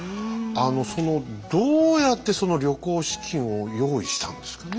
そのどうやってその旅行資金を用意したんですかね